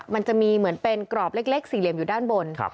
มันจะมีเหมือนเป็นกรอบเล็กสี่เหลี่ยมอยู่ด้านบน